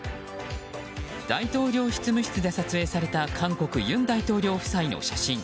大統領執務室で撮影された韓国・尹大統領夫妻の写真。